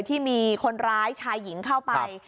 ที่มีคนร้ายชายหญิงเข้าไป